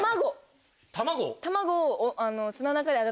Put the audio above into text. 卵！